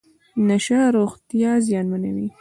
نشه روغتیا زیانمنوي .